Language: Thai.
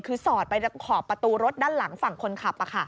คือสอดไปขอบประตูรถด้านหลังฝั่งคนขับ